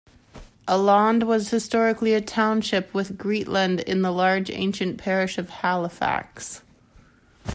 Elland was historically a township, with Greetland, in the large ancient parish of Halifax.